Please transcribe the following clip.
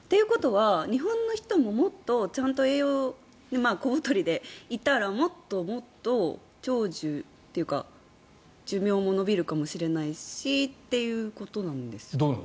日本の人も、もっとちゃんと栄養小太りでいたらもっともっと長寿というか寿命も延びるかもしれないしということなんですか。